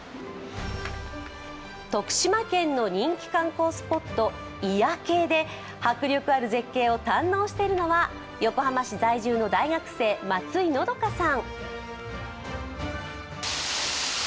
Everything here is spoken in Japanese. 徳島県の人気観光スポット、祖谷渓で迫力ある絶景を堪能しているのは横浜市在住の大学生松井のどかさん。